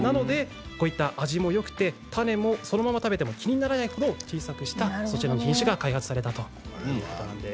味がよくて、種もそのまま食べても気にならないほど小さくしたこちらの品種が開発されたんです。